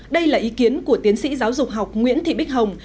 đây là ý kiến của tiến sĩ giáo dục học nguyễn thị bích hồng